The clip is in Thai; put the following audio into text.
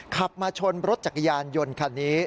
ขับมาชนรถจักรยานยนต์คันนี้